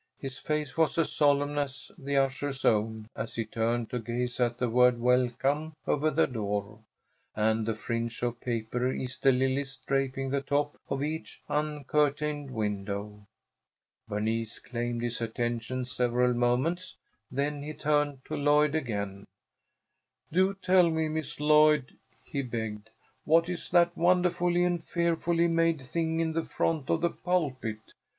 His face was as solemn as the usher's own as he turned to gaze at the word "Welcome" over the door, and the fringe of paper Easter lilies draping the top of each uncurtained window. Bernice claimed his attention several moments, then he turned to Lloyd again. "Do tell me, Miss Lloyd," he begged, "what is that wonderfully and fearfully made thing in the front of the pulpit?